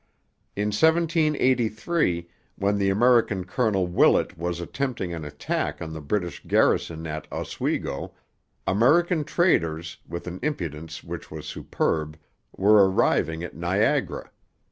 In 1783, when the American Colonel Willet was attempting an attack on the British garrison at Oswego, American traders, with an impudence which was superb, were arriving at Niagara.